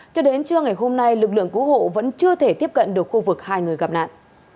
cho đến trưa ngày hôm nay lực lượng cứu hộ vẫn chưa thể tiếp cận được khu vực hai người gặp nạn